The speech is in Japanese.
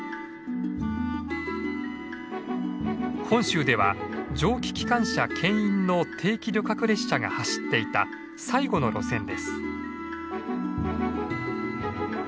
本州では蒸気機関車けん引の定期旅客列車が走っていた最後の路線です。